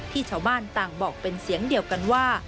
ชาวบ้านต่างบอกเป็นเสียงเดียวกันว่า